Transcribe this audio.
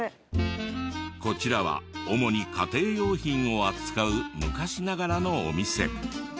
こちらは主に家庭用品を扱う昔ながらのお店。